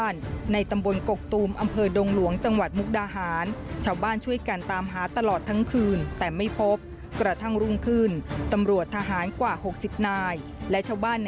ไปดูกันหน่อยนะฮะ